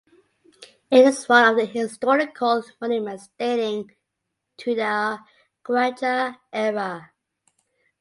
It is one of the historical monuments dating to the Qajar era.